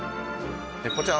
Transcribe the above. こちら